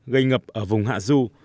gây ngập ở vùng hạ lưu